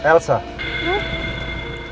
bagaimana cara membuatnya